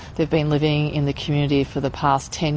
mereka telah hidup di komunitas selama sepuluh tahun